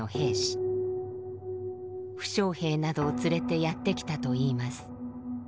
負傷兵などを連れてやって来たといいます。